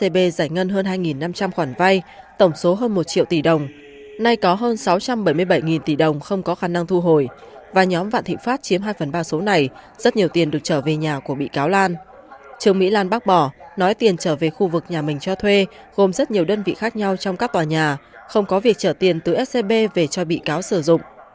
bà trương mỹ lan bắt bỏ nói tiền trở về khu vực nhà mình cho thuê gồm rất nhiều đơn vị khác nhau trong các tòa nhà không có việc trở tiền từ scb về cho bị cáo sử dụng